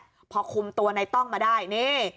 เครื่องคุมตัวนายต้องมาได้นี่